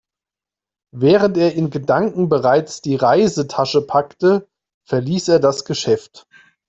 Während er in Gedanken bereits die Reisetasche packte, verließ er das Geschäft.